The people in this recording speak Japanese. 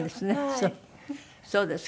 そうですか。